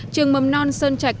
trường mầm non sơn trạch